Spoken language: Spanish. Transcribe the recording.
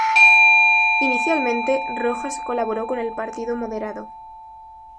Inicialmente, Rojas colaboró con el Partido Moderado.